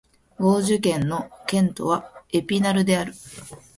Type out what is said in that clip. ヴォージュ県の県都はエピナルである